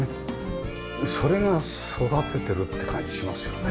それが育ててるって感じしますよね。